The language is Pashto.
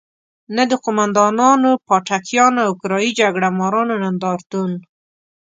نه د قوماندانانو، پاټکیانو او کرايي جګړه مارانو نندارتون.